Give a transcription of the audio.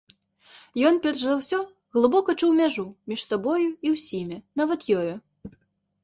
Ён перш за ўсё глыбока чуў мяжу між сабою і ўсімі, нават ёю.